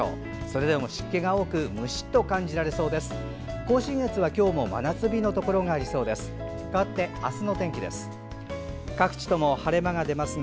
それでも湿気が多くムシッと感じられそうです。